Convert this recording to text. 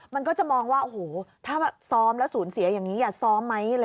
มันก็จะมองว่าโอ้โหถ้าซ้อมแล้วสูญเสียอย่างนี้อย่าซ้อมไหม